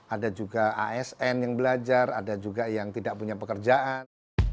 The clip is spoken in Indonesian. ada juga asn yang belajar ada juga yang tidak punya pekerjaan